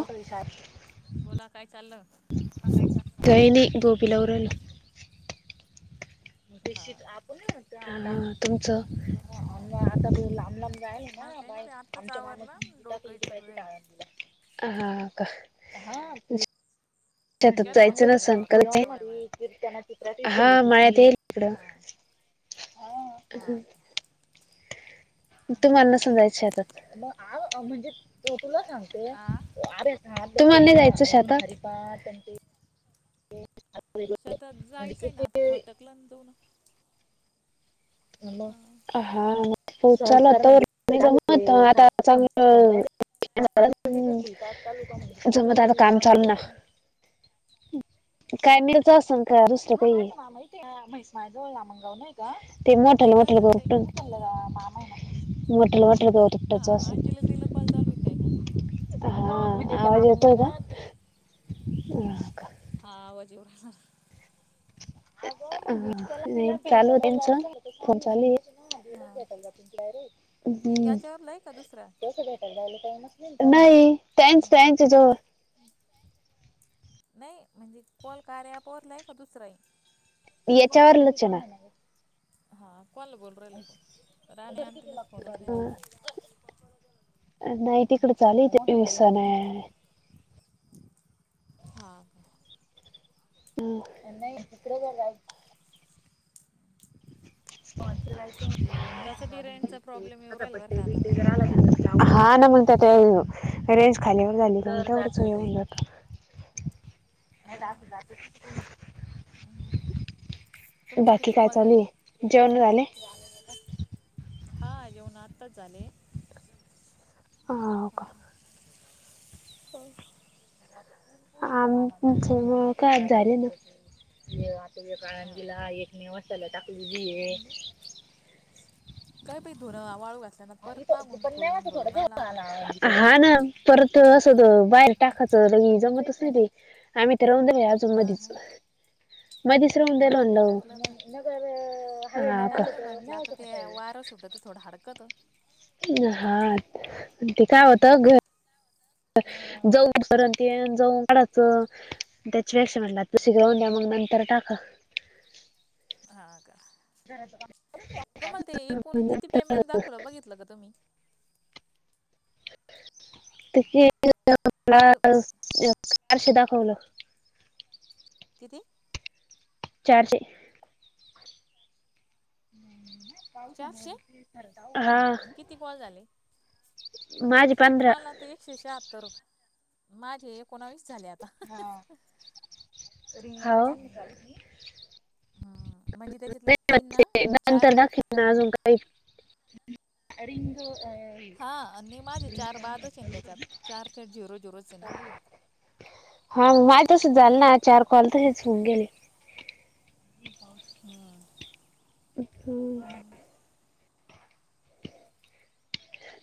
हो विचार बोला काय चाललं काय नई गोबीला आवरालो ते हा. आपण तुमचं आता लांब लांब जायला ना काही नाही आत्ताच आवरलं डोकं इचरू राहिली हा का शेतात गेला का जायचं ना तिकडे सण वावरात मग कराच आहे जवळ मळ्यात हा मळ्यात येईल तिकडं हा हा का तू मान ना बर. समजायचा आत मग आ म्हणजे त तुला सांगते आ आर ह तुम्हाला नाही जायचं शेतात शेतात जायचंय ना आता फटकलं ना जाऊन [inaudible] [inaudible] हा. काम चालू हा ना हा काय मिळत असेल दुसरं काही ते मोठाले मोठाले निंदाचच आहे गवत मोठाले मोठाले गवत उपटायचं हा असं अंजली ताईला कॉल चालू आहे काय कोण हा आवाज येतोय हा का हा आवाज येऊ राहिला अ नाही चालू त्यांच फोन चालू हा आहे म्हणजे हम्म याच्यावर लय का दुसरा नाही त्यांच हा. त्यांच्या जवळ नाही म्हणजे कॉल कार्या ऍप वरला आहे का दुसरा आहे याच्यावरलाच हे ना हा कोनाला बोलून राहिला तो राणी आंटीने आज फोनच नाही लावला नाही तिकडं चालू आहे हा का नाही तिकडं [inaudible] [inaudible] तसं बी रेंजचा प्रॉब्लेम येउ राहिला बर का आता हा ना मग त्या त्या रेंज खालीवर झाली का तेवढंच येऊन जातं हा तुमचे बाकी किती काय कॉल झाले? चालूये जेवनं झाली हा जेवणं आताच झाली हां का हो आमच मग काय आज झाले ना? ज आता ज हा. काळंदला एक नेव असला टाकली जी आहे. काय प धुर वाळू घातल्याना परत मागून फुलून भरून आला आव हा ना परत अस होत बाहेर हा. टाकायचं लगी जमतच नाही ते आम्ही तर राहून जाऊ. आ चमधच हा म तिसरं मुद्या नाही ल बाई मी म्हणल टाकलं हा मी का? टाकलं म्हटलं आता ते वारं सुटत तर थोडं हडकतं. हा ते काय होतं हा घर जाऊ सरण येन जाऊ वाडाचं. त्याची वेस म्हटला तू शि घऊन द्या मग नंतर टाका. हा का? घरा तुम्हा ते एकूण किती पेमेंट दाखव बघितलं ग तुम्ही? [unintelligible] त मला चश दाखवलं किती? चारशे. चारशे हा. किती कॉल झाले माझे पंधरा मला तर एकशे शहात्तर रुपये. माझे एकोणावीस झाले आता. हो हम्म म्हणजे त्याच्यातले तीन ना न चार तर दाखेल ना अजून काही. आणिम द [unintelligible] हा आणि माझे चार बादच आहेत ना त्याच्यात चार च झिरो झिरो च आहे ना. हा माय तस झालंल ना चार कॉल तसेच होऊन गेले. ह हो हम्म हम्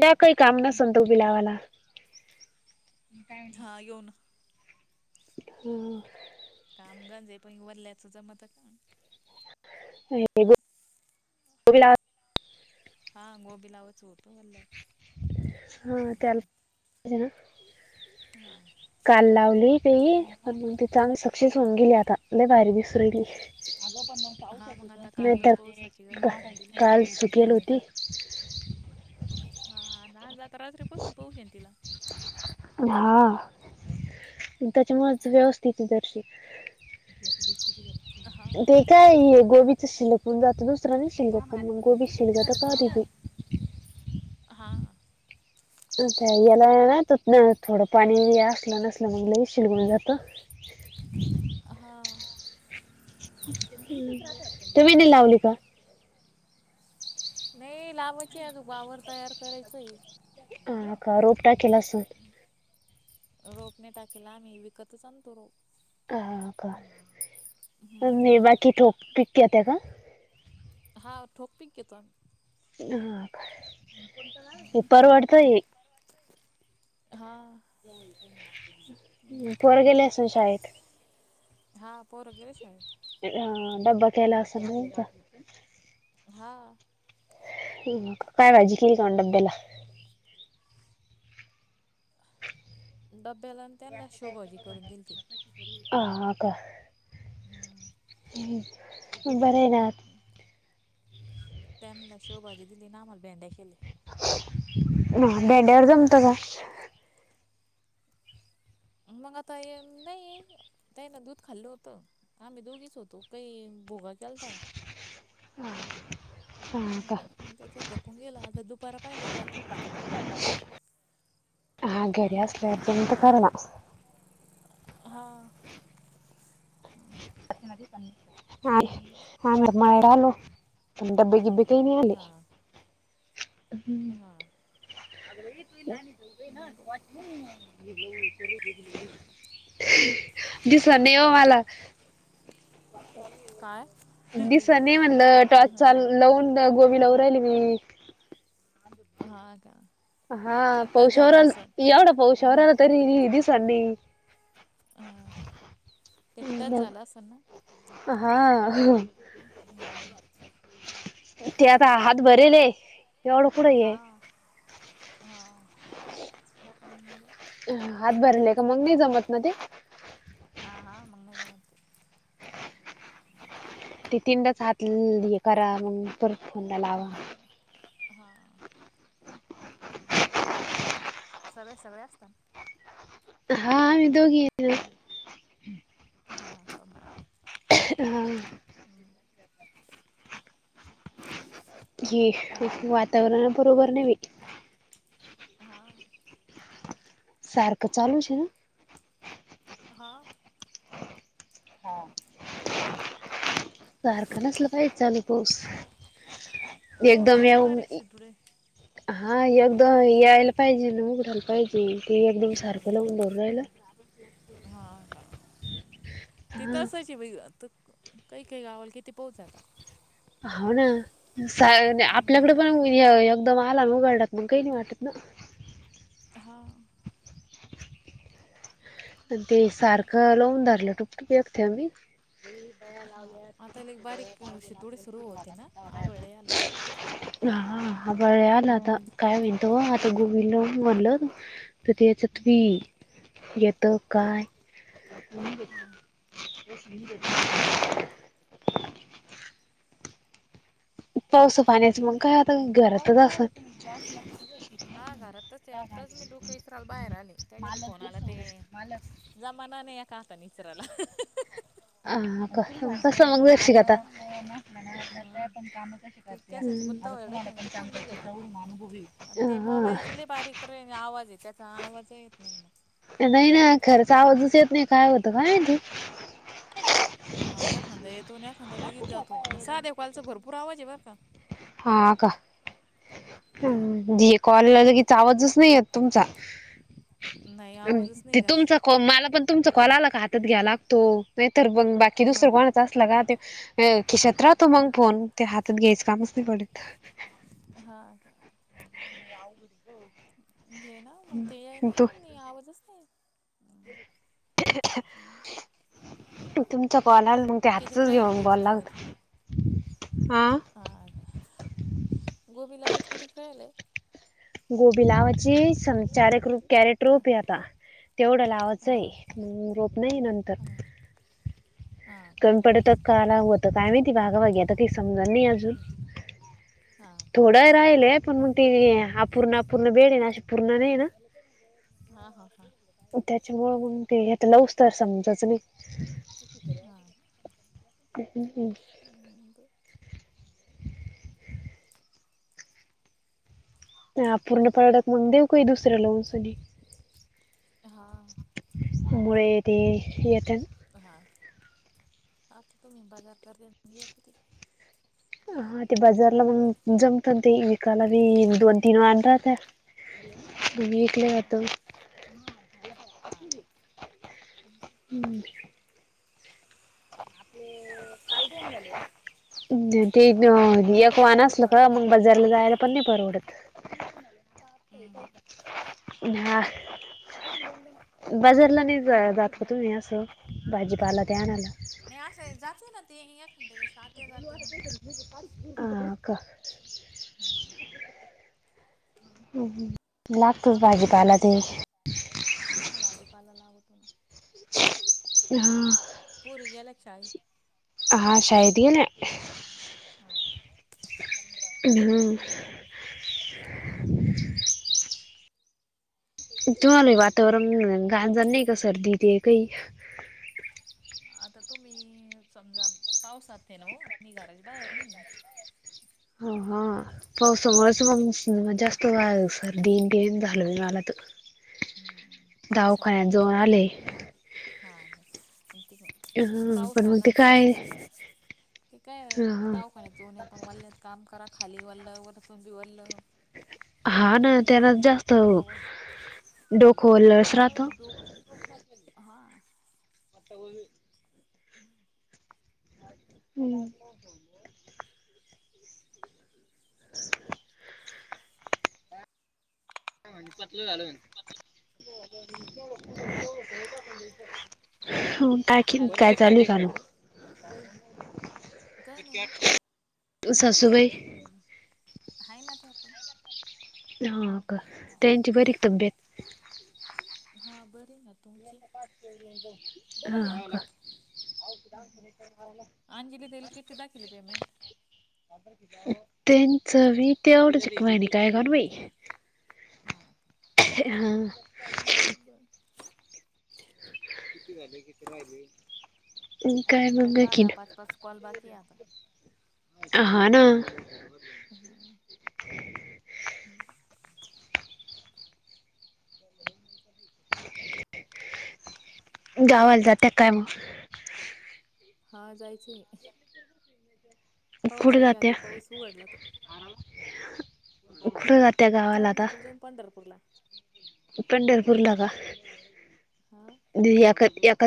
द्या काही काम नसल तर हा येऊन हम कामगांजे पण वरल्याच जमत [unintelligible] हां गोबीलावच होत बल्ल्यात हा त्याला हम्म [unintelligible] हा काल लावली ते पण मग ति चांग सक्सेस हा होऊन गेली आता. न वारी विसरली. हा मग आता नाही काल पावसाची गरज तर होती ना तिला काल सुकेल होती. हा ना जाता रात्री बसून पोहशन तिला हा त्याच्यामुळेच व्यवस्थित हा ते काय गोबीच शिलक म्हणज जातता दुसरा्या नाही शिवत मग गोबी शिल जात तर कधरी बी हां आता याला ना तिथन थोडं पाणी असलं नसलं मग ल शिजलं जातं. हा तुम्ही दि लावली का? नाही लावायची आहे अजून वावर तयार करायचंय. अ का रोपटा [unintelligible] रोपणे टाकला आम्ही विकतच आणतो रो ह का मे बाकी ठोक पिक घेत्या का? हां ठोक पिक घेतो हा उ परवडतय हा पोर गेले असून शाळेत हां पोर गेले शाळेत अ डब्बा केला असलं ना आता हा काय भाजी केली का डब्याला? डब्याला त्यांना शेव भाजी करून दिलती हा का बरे आहे ते त्यानला शेवभजी दिली अन आम्हाला भेंड्या केल्या. [unintelligible] मग आता अ नाही ते ना दूध खाल्लं होतं आम्ही दोघीच होतो काही भोगा केलता ह हा मग त्याच्यावर कून गेला आ दुपार पाहिले जात हा घरी असल्यावर हा [unintelligible] तेन आले हा हम्म हा [inaudible] दिसणार नाही ओ मला काय दिसय नाही म्हटलं चाल लावून गोबी लावू राहिली मी हा का हा तिकटाच पौशावर झाला असल आला एवढं पौशावर आला तरी दिसांनी हां एकटाच झाला असन ना हा ते आता हात भरेल आहे हा हा अ हात भरलेय का मग नाही जमत ना ते? ह हां मग नाही जमत ती तीन तच हात करा मग परत फोनला लावा हा सगळे सगळे असतात हा आम्ही दोघी हा का हा हम्म हे वातावरण बरोबर नाही बाई हा सारखं चालूच ना हा हा सारखं नसलं तरी पाऊस चालु पाऊस एकदम झाली येऊ बारीक शिटुडे हा एकदम यायला पाहिजे न उघठला पाहिजे की एकदम सारखं लावून धरून राहिलल हा हा तिथंच ग आता काही काही गावलं किती पाऊस आहे आता हो ना. [unintelligible] आपल्याकडे पण एकदम आला उघडला मग काही नाही वाटत ना. हा आणि ते सारखं लावून धरलं टुपटुप थेंब. [unintelligible] हा आता एक बारीक शितोडी सुरू होते ना आभाळ लय आला आता. हा ह आभाळ लय आलं आता काय म्हणतो आता गुगलवर म्हटलं. [unintelligible] क ते च्यात बी. तो काय. हा [unintelligible] पावसा पाण्याचं मग काय आता घरातच असल. [unintelligible] हा घरातच ते आत्ताच मी डोक इचराल बाहेर आले त्याच्यात फोन आला ते जमाना नाही एक हातानी इचाराला. [inaudible] ह का -कस मग दशिक घेता. हम्म. ती केसाची गुत्ता वगैरे ती मग ती कुड निघती आणि ते [unintelligible] हा मोबाईलचे [unintelligible] [unintelligible] आवाज आहे त्याचा आवाज येत नाही. नाही ना खरंच आवाज येत नाही काय होतं काय माहीती. ह हा एखांदा येतो आणि एखांदा लगेच जातो आणि सार्या कॉलचा भरपूर आवाज आहे बर का. हा का हा या कॉलला आवाजच नाही येत. तुमचा नाही आवाजच नाही -ते तुमच त्याला मला पण तुमचा कॉल आला का हातात घ्या लागतो नाहीतर पण बाकी हा दुसरं कोण [unintelligible] खिशात राहतो मग फोन ते हातात घ्यायचं कामच नाही पडत. हा लय अवचिंद आहे [unintelligible] घे ना मग ते यालाच नाही आवाजच नाही येत. [inaudible] तुमचा कॉल ते कितीक हातातच राहील घेऊन गोबी बोलावं लावायचे लागतं.. आ हा का गोबी लावच किती कळालंय गोबीलावाची संचारक रूप कॅरेट रोप आहे आता तेवढं लावायचं हा का आहे रोप नाही नंतर हा हा पण पडत का लावत काय माहिती भागावागीे आता काही समजल नाही अजून हा थोडं राहिलय पण मग ते अपूर्ण -अपूर्ण वेळ आहे ना अशी पूर्ण नाहीये ना? हा- हा- हा त्याच्यामुंळ ते घेत न उस्त [unintelligible] समजच म- हा हम्म [inaudible] ब [unintelligible] ह पूर्ण प्रॉडक्ट मग देऊ काही दुसऱ्या उसनी [inaudible] हा मुळ ते येत्यान हां -हां तर तुम्ही बाजार करत -येत आहे. [unintelligible] हा ते बाजारला मग जमत ते विकाला बी दोन तीन वार राहात. विकले जात. [inaudible] हां [inaudible] हम्म [inaudible] आपले काय जन झाले? तेक एक वान असल का मग बाजारला जायला पण नाही परवडत हम्म- हम्म हा [inaudible] [unintelligible] हा. बाजारला नाही जात तुम्ही असं भाजीपाला ते आणायला? [inaudible] नाहीे आस जात नाही ऐंखादे वेळेस. आत्या जाते. अ का? हम्म. आता लागतोच आपलं काय भाजीपाला काम? ते हा भाजीपाला लावतो ना? ह. पोरी गेल्या का शाळेत? हा शाळेत गेल्या हां. ह. तुम्हाला वातावरण गांजा नाही का सर्दी ते काही आता तुम्ही समजा पावसा ते न हो मी घराच्या बाहेर नाही. हो हा पावसामुळेच म जास्त फस्तवा सर दीटेम झालवी वालत? हम्म पावसाना दावखान्यात मंग जाऊन आले? हा तस. हा पाऊस मग ना ते पण काय ते काय ह दावाखान्याचे उन पण वाल्ल्यात काम करा खाली वाल्लं वरतून बि वल्ल हा कपडे ना त्याला वल्ले जास्त डोकं वल डोक डोक हा. [inaudible] हम्म. हम्म. [inaudible] म्ह पतलं घाल कायि हॅलो काय चालू कालू. काही नाही सासूबाई आहे ना ते आपण हा का त्यांची बरीच तब्येत हा बर ना. तुमचे हा. अतीन अंजली दिली किती दाखिली पेमेंट सणारार तीन चवी तेडची कमणी काय कर बाई. हा. हां. ह बर. किती झाले किती राहिले. आणिखनज्ञतरी दाा पाच पाच कॉल बाकी आता हह ना. हा. गावाला जाते काय मग? हा जायचंय. पावसाच्या आधी पाऊस उघडला तो. ककार. चाला ना आपण जाऊन पंढरपूर ला पंढरपूर का? हां. एकात